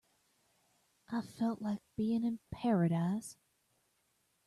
I felt like being in paradise.